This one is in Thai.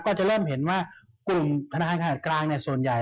ก็จะเริ่มเห็นว่ากลุ่มธนาคารขนาดกลางส่วนใหญ่